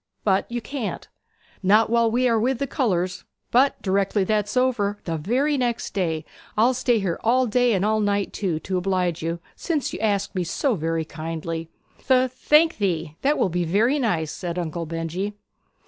But you can't!' 'Not while we are with the colours. But directly that's over the very next day I'll stay here all day, and all night too, to oblige you, since you ask me so very kindly.' 'Th thank ye, that will be very nice!' said Uncle Benjy.